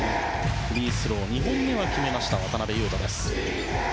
フリースロー２本目は決めた渡邊雄太です。